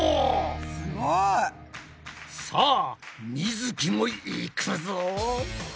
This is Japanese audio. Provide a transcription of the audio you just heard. すごい！さあみづきもいくぞ！